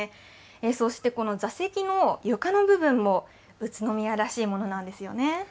そして、この座席の床の部分も宇都宮らしいものなんですよね。